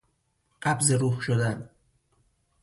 قبض روح شدن